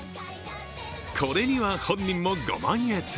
これには本人もご満悦。